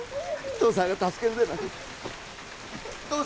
父さんが助けるでな梨央